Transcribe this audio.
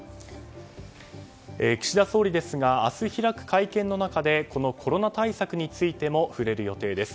岸田総理ですが明日開く会見の中でコロナ対策について触れる予定です。